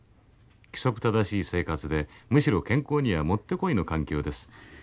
規則正しい生活でむしろ健康にはもってこいの環境です。